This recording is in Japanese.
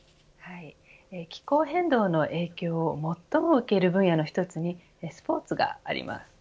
気候変動の影響を最も受ける分野の一つにスポーツがあります。